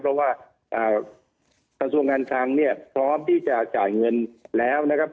เพราะว่าส่วงงานทางพร้อมที่จะจ่ายเงินแล้ว